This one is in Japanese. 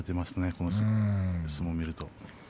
この映像の相撲を見ると。